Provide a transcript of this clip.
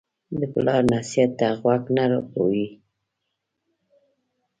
د پلار نصیحت ته غوږ نه رپوي.